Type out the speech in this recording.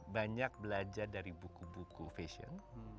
banyak belajar dari buku buku fashion